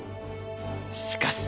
しかし。